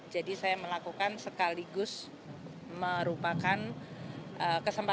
jadi saya melakukan sekaligus merupakan kesempatan